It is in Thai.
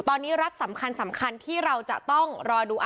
ตอนนี้รัฐสำคัญที่เราจะต้องรอดู